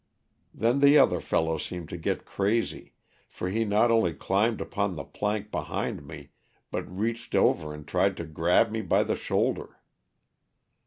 Then the other fellow seemed to get crazy, for he not only climbed upon the plank be hind me but reached over and tried to grab me by the shoulder.